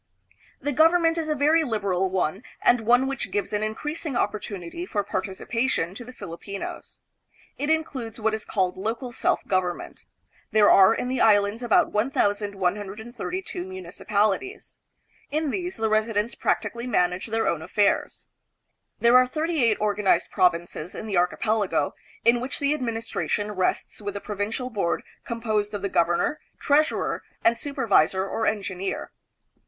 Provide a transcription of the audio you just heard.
The government is a very lib eral one, and one which gives an increasing opportunity for participation to the Filipinos. It includes what is called local self government. There are in the Islands about 1,132 municipalities. In these the residents prac tically manage their own affairs. There are thirty eight organized provinces in the archipelago, in which the ad ministration rests with the Provincial Board composed of the governor, treasurer, and supervisor or engineer.